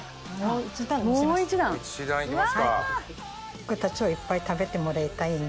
ふくたちをいっぱい食べてもらいたいんで。